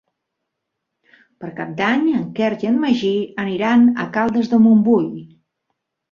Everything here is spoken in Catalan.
Per Cap d'Any en Quer i en Magí aniran a Caldes de Montbui.